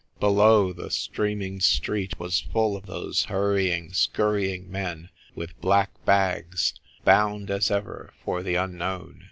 Below, the streaming street was full of those hurrying, scurrying men with black bags, bound as ever for the Un known.